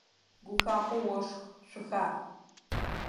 Гухахъо ошх, шъухаӏ!